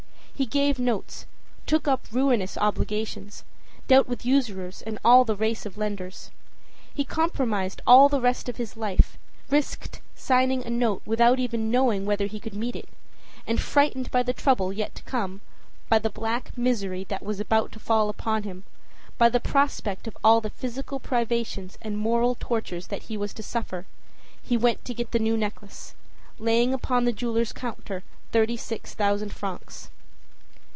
He gave notes, took up ruinous obligations, dealt with usurers and all the race of lenders. He compromised all the rest of his life, risked signing a note without even knowing whether he could meet it; and, frightened by the trouble yet to come, by the black misery that was about to fall upon him, by the prospect of all the physical privations and moral tortures that he was to suffer, he went to get the new necklace, laying upon the jeweler's counter thirty six thousand francs.